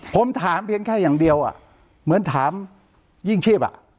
ผมถามเพียงแค่อย่างเดียวเหมือนถามยิ่งชีพ